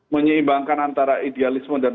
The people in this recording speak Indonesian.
menyeimbangkan antara idealisme dan